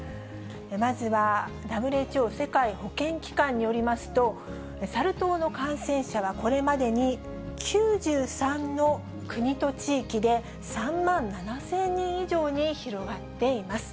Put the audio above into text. まずは、ＷＨＯ・世界保健機関によりますと、サル痘の感染者は、これまでに９３の国と地域で、３万７０００人以上に広がっています。